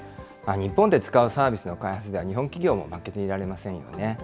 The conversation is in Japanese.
日本で使うサービスの開発では日本企業も負けていられませんよね。